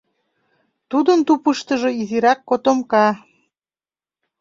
Тудын тупыштыжо изирак котомка.